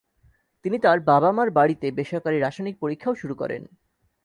তিনি তাঁর বাবা-মার বাড়িতে বেসরকারী রাসায়নিক পরীক্ষাও শুরু করেন।